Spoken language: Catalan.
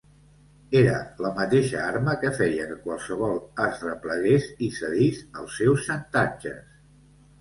Era la mateixa arma que feia que qualsevol es replegués i cedís als seus xantatges.